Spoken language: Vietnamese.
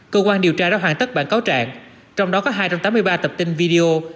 cơ quan điều tra đã hoàn tất bản cáo trạng trong đó có hai trăm tám mươi ba tập tin video